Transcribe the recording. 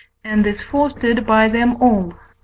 and is fostered by them all (V.